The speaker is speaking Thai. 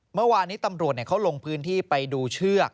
เมื่อวานนี้ตำรวจเขาลงพื้นที่ไปดูเชือก